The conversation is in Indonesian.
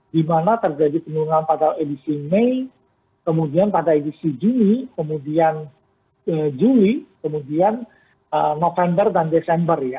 di mana terjadi penurunan pada edisi mei kemudian pada edisi juni kemudian juli kemudian november dan desember ya